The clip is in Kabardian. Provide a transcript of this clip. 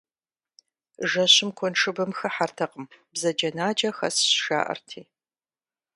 Жэщым куэншыбым хыхьэртэкъым, бзаджэнаджэ хэсщ, жаӏэрти.